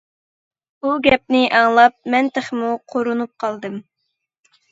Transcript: بۇ گەپنى ئاڭلاپ مەن تېخىمۇ قورۇنۇپ قالدىم.